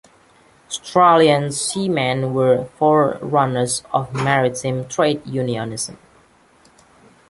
Australian seamen were forerunners of maritime trade unionism.